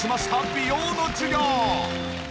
美容の授業。